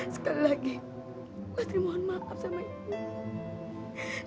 sekali lagi pasti mohon maaf sama ibu